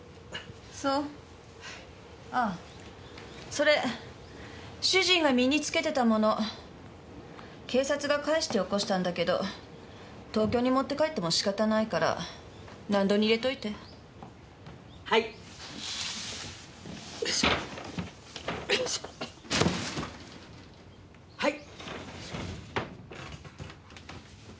そうあっそれ主人が身につけてた物警察が返してよこしたんだけど東京に持って帰ってもしかたないから納戸に入れといてはいはい！